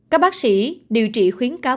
các bác sĩ điều trị khuyến cáo